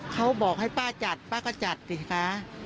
เขาบอกให้ป้าจัดป้าก็จัดสิคะ